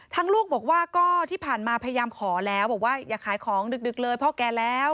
ลูกบอกว่าก็ที่ผ่านมาพยายามขอแล้วบอกว่าอย่าขายของดึกเลยพ่อแก่แล้ว